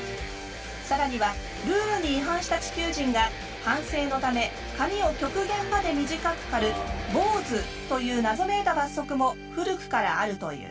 更にはルールに違反した地球人が反省のため髪を極限まで短く刈る坊主という謎めいた罰則も古くからあるという。